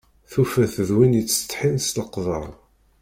Tufa-t d win yettsetḥin s leqder.